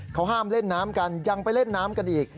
เขาห้ามเล่นน้ำกันยังไปเล่นน้ำกันอีก